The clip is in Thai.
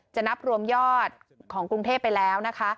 นับรวมยอดของกรุงเทพไปแล้วนะคะ